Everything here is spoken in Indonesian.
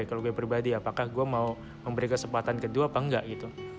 kalau gue pribadi apakah gue mau memberi kesempatan kedua apa enggak gitu